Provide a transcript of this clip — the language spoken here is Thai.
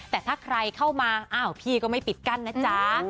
แต่ถ้าใครเข้ามาอ้าวพี่ก็ไม่ปิดกั้นนะจ๊ะ